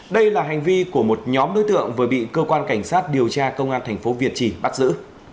đây là hành vi của một nhóm đối tượng vừa bị cơ quan cảnh sát điều tra công an tp việt chỉ bắt giữ